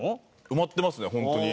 埋まってますね本当に。